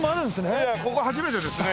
いやいやここは初めてですね。